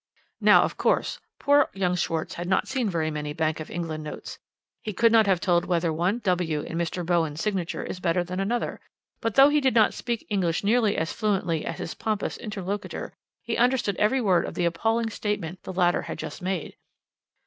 "Now, of course, poor young Schwarz had not seen very many Bank of England notes. He could not have told whether one 'w' in Mr. Bowen's signature is better than another, but, though he did not speak English nearly as fluently as his pompous interlocutor, he understood every word of the appalling statement the latter had just made.